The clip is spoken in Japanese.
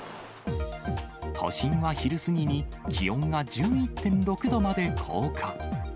都心は昼過ぎに、気温が１１．６度まで降下。